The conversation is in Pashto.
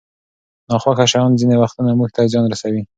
ناخوښه شیان ځینې وختونه موږ ته زیان رسوي.